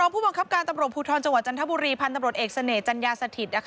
ผู้บังคับการตำรวจภูทรจังหวัดจันทบุรีพันธ์ตำรวจเอกเสน่หจัญญาสถิต